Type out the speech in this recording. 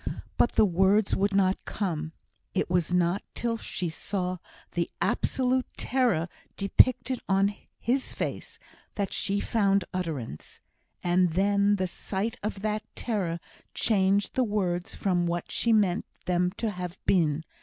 But the words would not come; it was not till she saw the absolute terror depicted on his face that she found utterance; and then the sight of that terror changed the words from what she meant them to have been.